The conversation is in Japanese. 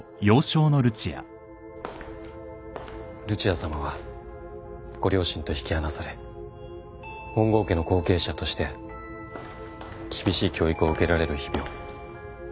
ルチアさまはご両親と引き離され本郷家の後継者として厳しい教育を受けられる日々を過ごされることとなったのです。